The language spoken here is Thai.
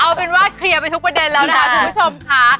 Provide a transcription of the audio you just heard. เอาเป็นว่าเคลียร์ไปทุกประเด็นแล้วนะคะคุณผู้ชมค่ะ